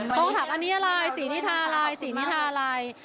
เขาก็ถามอันนี้อะไรสีนิทาอะไรสีนิทาอะไร